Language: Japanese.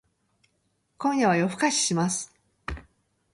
今日は夜更かしします